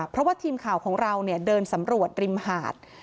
เพราะว่าทีมข่าวของเราเดินสำรวจริมหาด